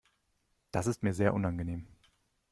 Das ist mir sehr unangenehm.